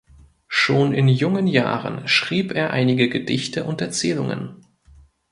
Schon in jungen Jahren schrieb er einige Gedichte und Erzählungen.